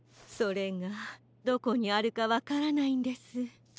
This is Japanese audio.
それがどこにあるかわからないんです。